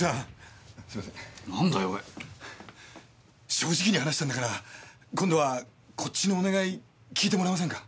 正直に話したんだから今度はこっちのお願い聞いてもらえませんか？